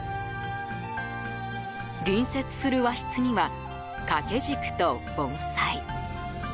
隣接する和室には掛け軸と盆栽。